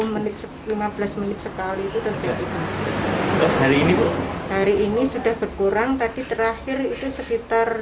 menit lima belas menit sekali itu terjadi hari ini sudah berkurang tadi terakhir itu sekitar